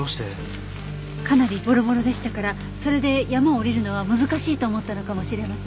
かなりボロボロでしたからそれで山を下りるのは難しいと思ったのかもしれません。